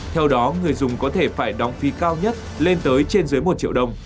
theo đó người dùng có thể phải đóng phí cao nhất lên tới trên dưới một triệu đồng